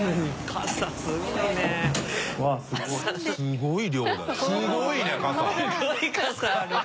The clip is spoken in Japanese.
傘すごい。